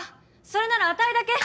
それならあたいだけ。